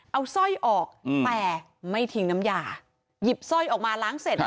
เอาสร้อยออกแต่ไม่ทิ้งน้ำยาหยิบสร้อยออกมาล้างเสร็จ